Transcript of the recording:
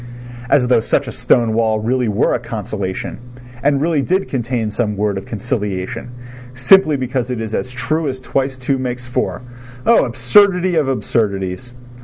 As though such a stone wall really were a consolation, and really did contain some word of conciliation, simply because it is as true as twice two makes four. Oh, absurdity of absurdities!